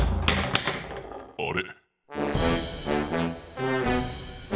あれ？